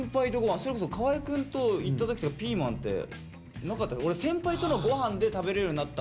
それこそ河合くんと行った時ピーマンってなかった。